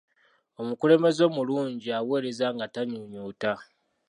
Omukulembeze omulungi aweereza nga tanyuunyuuta.